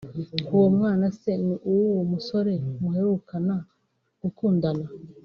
uwo mwana se ni uw’uwo musore muherukana (gukundana)